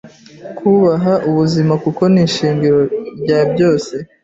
Kubaha ubuzima kuko nishingiro rya byose